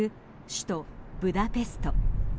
首都ブダペスト。